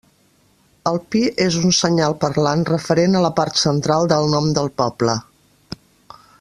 El pi és un senyal parlant referent a la part central del nom del poble.